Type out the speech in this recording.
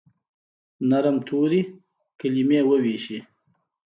نرم توري، کلیمې وویشي